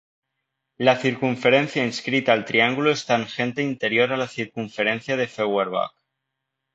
La circunferencia inscrita al triángulo es tangente interior a la circunferencia de Feuerbach.